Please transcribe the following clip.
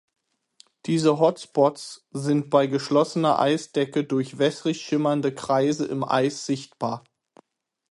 Diese Hot-spots sind bei geschlossener Eisdecke durch wässrig schimmernde Kreise im Eis sichtbar.